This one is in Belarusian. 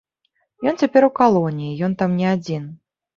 Ён цяпер у калоніі, ён там не адзін.